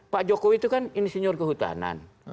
pak jokowi itu kan insinyur kehutanan